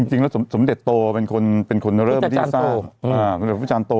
จริงแล้วสมเด็จโตเป็นคนเริ่มที่สร้างพระพุทธเจ้าโต